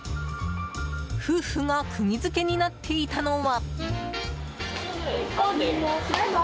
夫婦が釘付けになっていたのは。